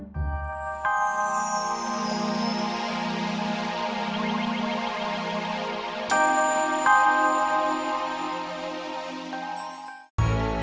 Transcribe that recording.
terima kasih bang